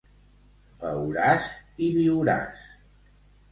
Beuràs i viuràs.